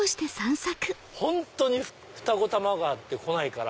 本当に二子玉川って来ないから。